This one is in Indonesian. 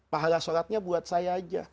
pahala sholatnya buat saya aja